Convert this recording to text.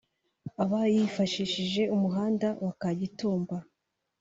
aba yifashisha umuhanda wa Kagitumba